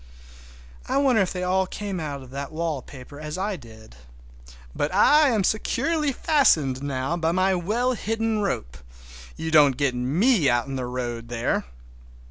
I wonder if they all come out of that wallpaper as I did? But I am securely fastened now by my well hidden rope—you don't get me out in the road there!